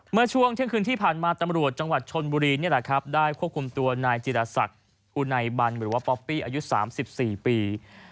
เมื่อช่วงเที่ยงคืนที่ผ่านมาตำรวจจังหวัดชนบุรีนี่แหละครับได้ควบคุมตัวนายจิรศักดิ์อุไนบันหรือว่าป๊อปปี้อายุ๓๔ปี